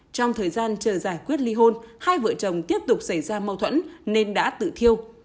trong thời gian chờ giải quyết ly hôn hai vợ chồng tiếp tục xảy ra mâu thuẫn nên đã tự thiêu